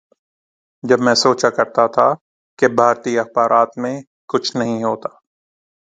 جب میں سوچا کرتا تھا کہ بھارتی اخبارات میں کچھ نہیں ہوتا۔